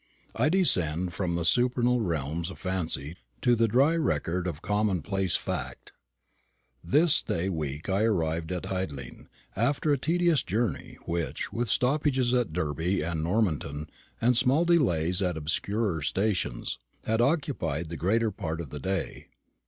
I descend from the supernal realms of fancy to the dry record of commonplace fact. This day week I arrived at Hidling, after a tedious journey, which, with stoppages at Derby and Normanton, and small delays at obscurer stations, had occupied the greater part of the day.